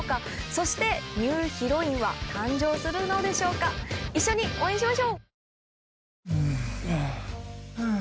そしてニューヒロインは誕生するのでしょうか一緒に応援しましょう！